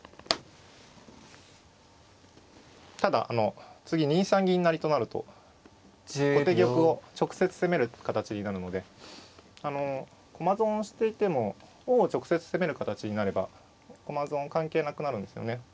ただ次２三銀成と成ると後手玉を直接攻める形になるので駒損していても王を直接攻める形になれば駒損関係なくなるんですよね。